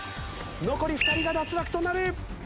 残り２人が脱落となる。